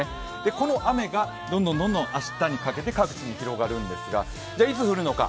この雨がどんどん明日にかけて各地に広がるんですが、じゃいつ降るのか。